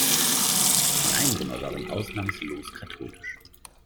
Die Einwohner waren ausnahmslos katholisch.